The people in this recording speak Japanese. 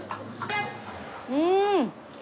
うん！